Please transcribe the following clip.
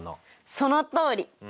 そのとおり！